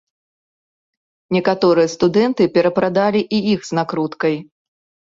Некаторыя студэнты перапрадалі і іх з накруткай.